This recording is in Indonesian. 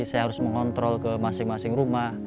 kita bisa mengatur perangkat ke masing masing rumah